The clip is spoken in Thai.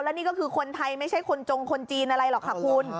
แล้วนี่ก็คือคนไทยไม่ใช่คนจงคนจีนอะไรหรอกค่ะคุณ